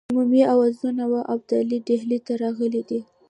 عمومي آوازه وه ابدالي ډهلي ته راغلی دی.